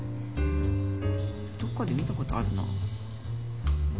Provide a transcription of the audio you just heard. どっかで見た事あるな。